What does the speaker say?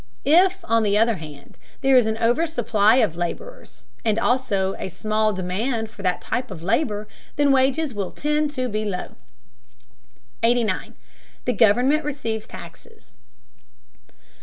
If, on the other hand, there is an over supply of laborers, and also a small demand for that type of labor, then wages will tend to be low. 89. THE GOVERNMENT RECEIVES TAXES.